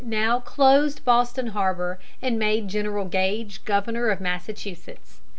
now closed Boston harbor and made General Gage Governor of Massachusetts.